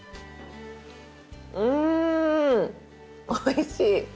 うんおいしい！